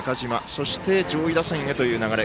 そして、上位打線へという流れ。